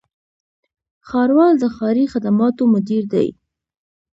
ښاروال د ښاري خدماتو مدیر دی